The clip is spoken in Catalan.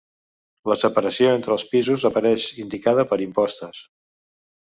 La separació entre els pisos apareix indicada per impostes.